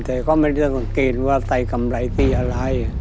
แต่ก็ไม่ได้สังเกตว่าใส่กำไรปีอะไร